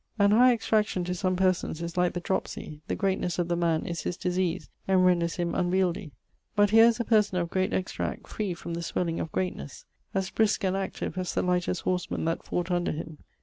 An high extraction to some persons is like the dropsie, the greatnesse of the man is his disease, and renders him unweildie; but here is a person of great extract free from the swelling of greatness, as brisk and active as the lightest horseman that fought under him.